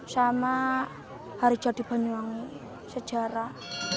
sama hari jadi banyuwangi sejarah